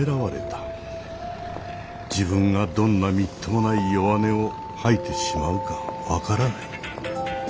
自分がどんなみっともない弱音を吐いてしまうか分からない。